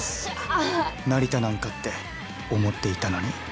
成田なんかって思っていたのに。